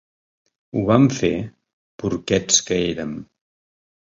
Ho vam fer, porquets que érem.